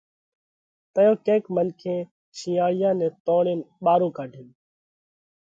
تئيون ڪينڪ منکي شِينئاۯيا نئہ توڻينَ ٻارو ڪاڍيو